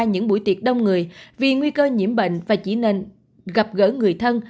những buổi tiệc đông người vì nguy cơ nhiễm bệnh và chỉ nên gặp gỡ người thân